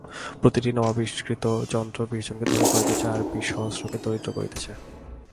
প্রতিটি নবাবিষ্কৃত যন্ত্র বিশ জনকে ধনী করিতেছে আর বিশ সহস্রকে দরিদ্র করিতেছে।